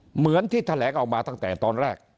เหมือนที่แถลงออกมาตั้งแต่ตอนแรก